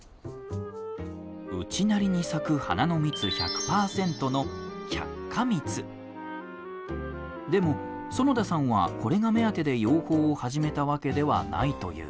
内成に咲く花の蜜１００％のでも園田さんはこれが目当てで養蜂を始めたわけではないという。